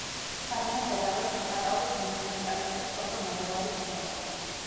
საბადო მდებარეობს ჩოხატაურის მუნიციპალიტეტის სოფელ ნაბეღლავის მიდამოებში.